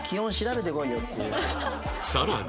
さらに